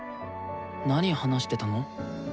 なに話してたの？